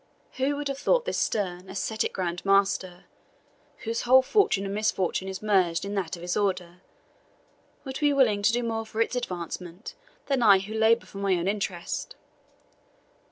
Who would have thought this stern, ascetic Grand Master, whose whole fortune and misfortune is merged in that of his order, would be willing to do more for its advancement than I who labour for my own interest?